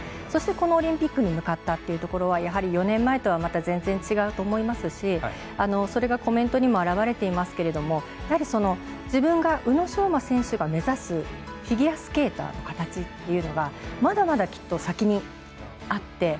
そして、このオリンピックに向かったというところはやはり４年前とはまた全然、違うと思いますしそれが、コメントにも表れていますけれども自分が宇野昌磨選手が目指すフィギュアスケーターの形というのがまだまだ、きっと先にあって。